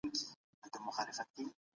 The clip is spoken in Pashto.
نړیوال ثبات د هیوادونو د یووالي محصول دی.